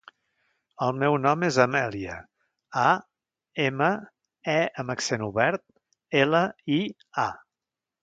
El meu nom és Amèlia: a, ema, e amb accent obert, ela, i, a.